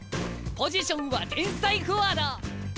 ポジションは天才フォワード！